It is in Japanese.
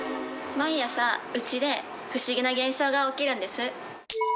毎朝うちで不思議な現象が起きるんです。